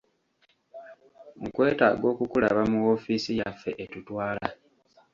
Nkwetaaga okukulaba mu woofiisi yaffe etutwala.